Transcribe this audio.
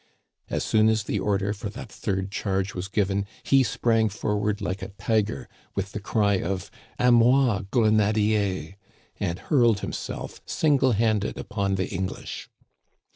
As soon as the order for that third charge was given he sprang forward like a tiger with the cry of, A mat grenadiers I " and hurled himself single handed upon the English.